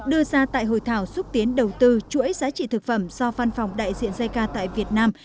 đưa ra tại hội thảo xúc tiến đầu tư chuỗi giá trị thực phẩm do văn phòng đại diện geca tại việt nam